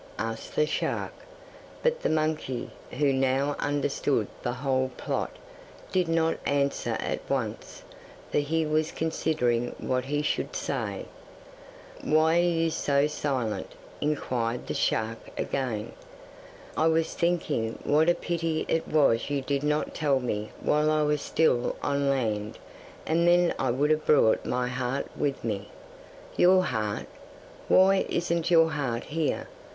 asked the shark; but the monkey, who now understood the whole plot, did not answer at once, for he was considering what he should say. 'Why are you so silent?' inquired the shark again. 'I was thinking what a pity it was you did not tell me while I was still on land, and then I would have brought my heart with me.' 'Your heart! Why isn't your heart here?